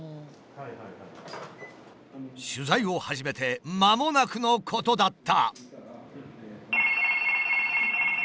取材を始めてまもなくのことだった！